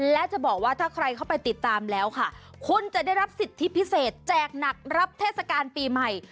และจะบอกว่าถ้าใครเข้าไปติดตามแล้วค่ะคุณจะได้รับสิทธิพิเศษแจกหนักรับเทศกาลปีใหม่